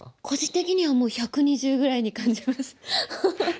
個人的にはもう１２０ぐらいに感じます。